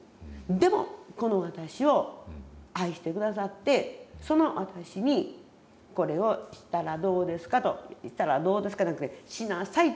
でもこの私を愛して下さってその私に「これをしたらどうですか」と。「したらどうですか」じゃなくて「しなさい」と。